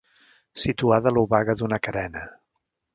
Situada a l'obaga d'una carena.